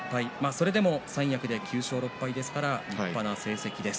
それでも三役で９勝６敗ですから立派な成績です。